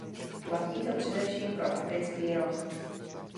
Platí to především pro Africký roh.